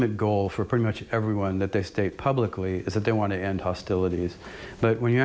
แต่เมื่อคุณจะเข้าใจการนำรับการข่าวต่อมา